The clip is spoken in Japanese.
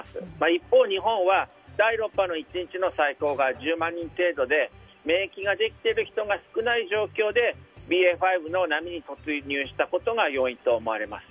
一方、日本は第６波の１日の最高が１０万人程度で免疫ができている人が少ない状況で、ＢＡ．５の波に突入したことが要因と思われます。